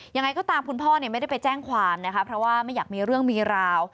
ยังไงก็ตามคุณพ่อไม่ได้ไปแจ้งความนะคะเพราะว่าไม่อยากมีเรื่องมีราว